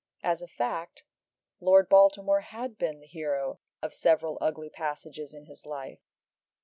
As a fact, Lord Baltimore had been the hero of several ugly passages in his life.